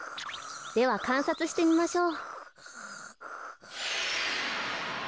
ではかんさつしてみましょう。